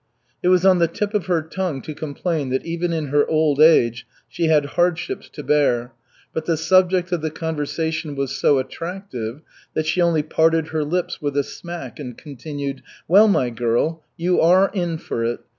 It was on the tip of her tongue to complain that even in her old age she had hardships to bear, but the subject of the conversation was so attractive that she only parted her lips with a smack and continued: "Well, my girl, you are in for it.